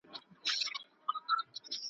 سوال یې وکړ له یو چا چي څه کیسه ده `